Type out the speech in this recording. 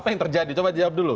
apa yang terjadi coba jawab dulu